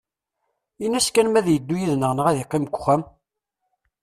Ini-as kan ma ad iddu id-neɣ neɣ ad iqqim deg uxxam.